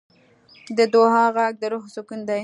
د دعا غږ د روح سکون دی.